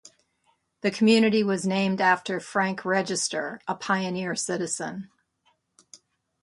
The community was named after Frank Register, a pioneer citizen.